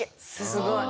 すごい。